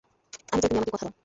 আমি চাই তুমি আমাকে কথা দাও।